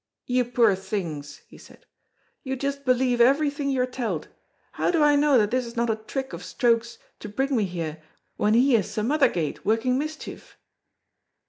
"You poor things," he said, "you just believe everything you're telled! How do I know that this is not a trick of Stroke's to bring me here when he is some other gait working mischief?"